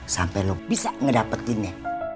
sampai lo bisa ngedapetinnya